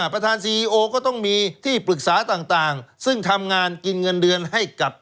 ประธานซีโอก็ต้องมีที่ปรึกษาต่างซึ่งทำงานกินเงินเดือนให้กับ